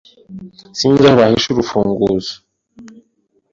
Sinzi aho bahishe urufunguzo.